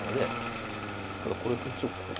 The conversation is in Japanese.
ただこれ一応こう。